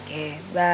siapa tuh siapa